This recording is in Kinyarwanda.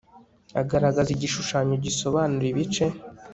agaragaza igishushanyo gisobanura ibice